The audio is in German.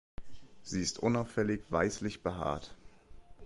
Sie ist unauffällig weißlich behaart.